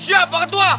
siap pak ketua